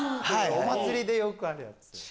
お祭りでよくあるやつ。